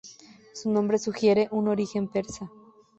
Su nombre sugiere un origen persa.